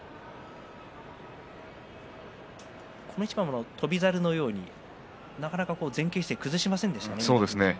この一番、翔猿のようになかなか前傾姿勢を崩しませんでしたね。